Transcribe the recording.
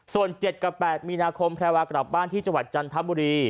ส่วน๗กับ๘มีนาคมแพรวากลับบ้านที่จังหวัดจันทบุรี